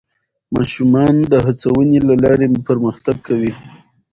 ماشومان د هڅونې له لارې پرمختګ کوي